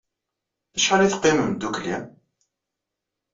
Acḥal ay teqqimem ddukkli?